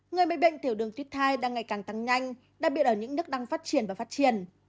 người bị bệnh tiểu đường tuyết thai đang ngày càng tăng nhanh đặc biệt ở những nước đang phát triển và phát triển